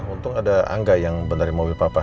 untung ada angga yang bentarin mobil papa